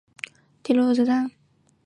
安定门站是北京环城铁路的车站。